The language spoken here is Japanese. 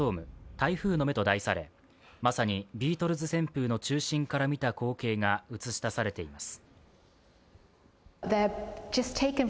台風の目と題されまさにビートルズ旋風の中心から見た光景が写し出されています。